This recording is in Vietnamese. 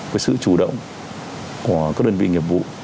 cái sự chủ động của các đơn vị nghiệp vụ